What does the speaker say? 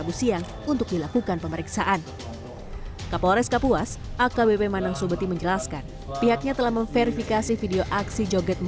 kita mengundahkan rasa empati yang saat ini sudah ada di masyarakat terkait pandemi covid sembilan belas dan sebagainya